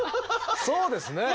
そうですね。